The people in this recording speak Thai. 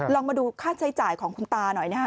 ลองมาดูค่าใช้จ่ายของคุณตาหน่อยนะฮะ